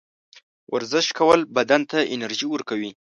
ورزش کول بدن ته انرژي ورکوي.